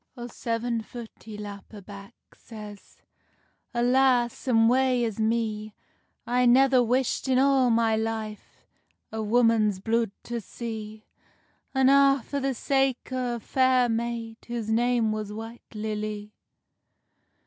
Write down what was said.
O seven foot he lap a back; Says, "Alas, and wae is me! I never wisht in a' my life, A woman's blude to see; An ae for the sake of ae fair maid Whose name was White Lilly."